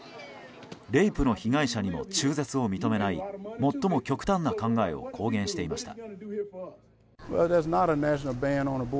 レイプの被害者にも中絶を認めない最も極端な考えを公言していました。